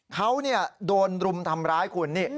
เขาโดนรุมทำร้ายคุณนี่